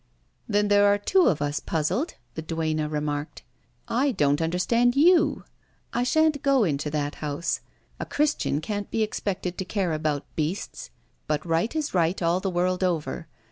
"Then there are two of us puzzled," the duenna remarked. "I don't understand you. I shan't go into that house. A Christian can't be expected to care about beasts but right is right all the world over.